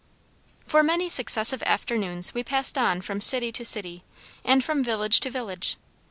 For many successive afternoons we passed on from city to city, and from village to village.